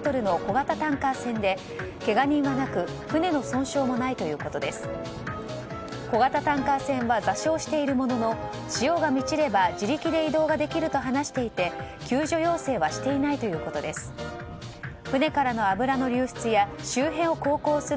小型タンカー船は座礁しているものの潮が満ちれば自力で移動ができると話していて救助要請はしていないということです。